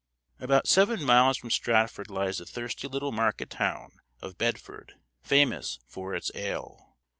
About seven miles from Stratford lies the thirsty little market town of Bedford, famous for its ale.